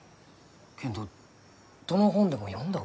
けんどどの本でも読んだ覚えないき。